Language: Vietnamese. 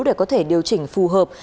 để có thể điều chỉnh phù hợp